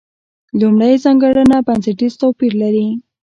لومړۍ ځانګړنه بنسټیز توپیر لري.